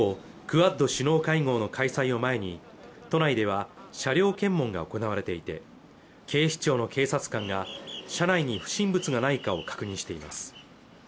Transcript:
クアッド首脳会合の開催を前に都内では車両検問が行われていて警視庁の警察官が車内に不審物がないかを確認しています